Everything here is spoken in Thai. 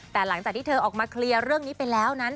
แต่หลังจากที่เธอออกมาเคลียร์เรื่องนี้ไปแล้วนั้น